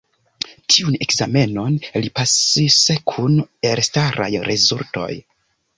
Tiun ekzamenon li pasis kun elstaraj rezultoj.